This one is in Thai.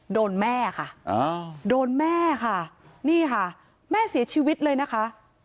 โดนแม่ค่ะโดนแม่ค่ะนี่ค่ะแม่เสียชีวิตเลยนะคะ